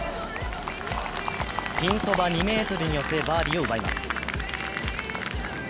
ピンそば２ｍに寄せ、バーディーを奪います。